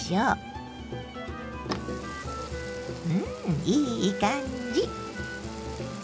うんいい感じ。